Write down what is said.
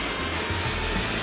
jangan makan aku